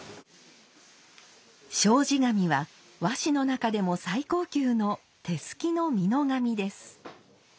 障子紙は和紙の中でも最高級の手すきの美濃紙です。